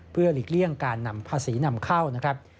เพื่อหลีกเลี่ยงการนำภาษีนำเข้านะครับ